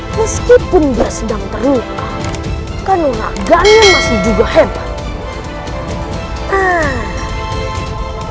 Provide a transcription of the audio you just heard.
meskipun dia sedang terluka kan unaganya masih juga hebat